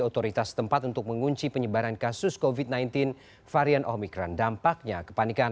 otoritas tempat untuk mengunci penyebaran kasus covid sembilan belas varian omikron dampaknya kepanikan